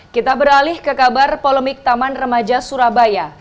kita beralih ke kabar polemik taman remaja surabaya